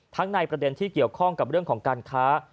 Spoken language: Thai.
ในประเด็นที่เกี่ยวข้องกับเรื่องของการค้า